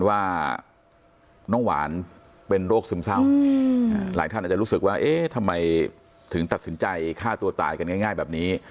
ว่าน้องหวานเป็นโรคซึมเศร้าหลายท่านอาจจะรู้สึกว่าเอ๊ะทำไมถึงตัดสินใจฆ่าตัวตายกันง่ายแบบนี้